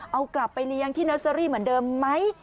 เอากลับไปเลี้ยงที่เนอร์เซอรี่เหมือนเดิมไหม